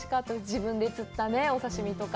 自分で釣ったお刺身とか。